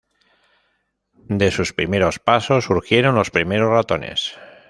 De sus primeros pasos surgieron los primeros ratones.